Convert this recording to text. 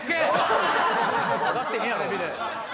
分かってへんやろ。